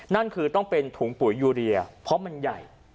นั่นคือต้องเป็นถุงปุ๋ยยูเรียเพราะมันใหญ่